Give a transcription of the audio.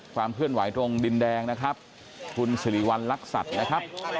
ความเคลื่อนไหวตรงดินแดงนะครับคุณสิริวัณรักษัตริย์นะครับ